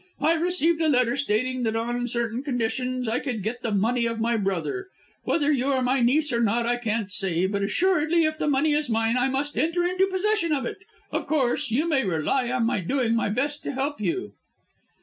"I received a letter stating that on certain conditions I could get the money of my brother. Whether you are my niece or not I can't say, but assuredly if the money is mine I must enter into possession of it. Of course, you may rely on my doing my best to help you."